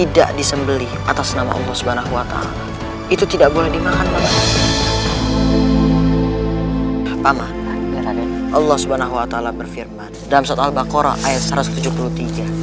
dalam surat al baqarah ayat satu ratus tujuh puluh tiga